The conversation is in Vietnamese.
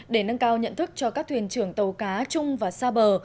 để nâng cao nhận thức cho các thuyền trưởng tàu cá chung và xa bờ